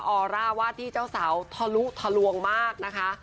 อร่าว่าที่เจ้าสาวทะลุทะลวงมากนะคะ